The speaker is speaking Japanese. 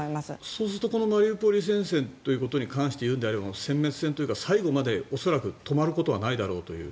そうするとマリウポリ戦線に関してはせん滅戦というか最後まで恐らく止まることはないだろうという？